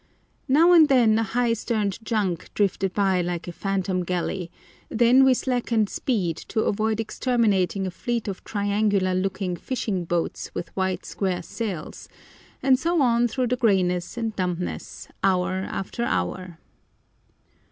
Now and then a high sterned junk drifted by like a phantom galley, then we slackened speed to avoid exterminating a fleet of triangular looking fishing boats with white square sails, and so on through the grayness and dumbness hour after hour.